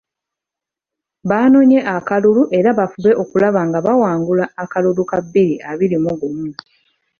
Banoonye akalulu era bafube okulaba nga bawangula akalulu ka bbiri abiri mu gumu.